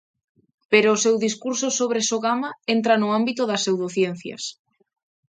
Pero o seu discurso sobre Sogama entra no ámbito das pseudociencias.